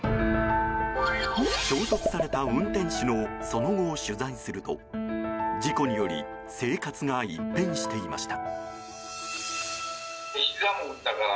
衝突された運転手のその後を取材すると事故により生活が一変していました。